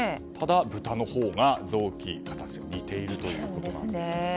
ただ、豚のほうが臓器の形が似ているということです。